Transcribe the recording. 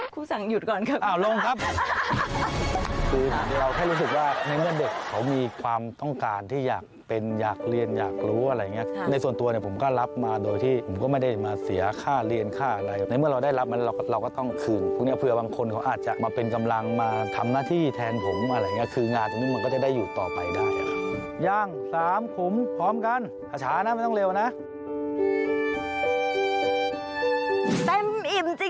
ครูสังหยุดก่อนครับครับครับครับครับครับครับครับครับครับครับครับครับครับครับครับครับครับครับครับครับครับครับครับครับครับครับครับครับครับครับครับครับครับครับครับครับครับครับครับครับครับครับครับครับครับครับครับครับครับครับครับครับครับครับครับครับครับครับครับครับครับครับครับครับครับครับครับครับคร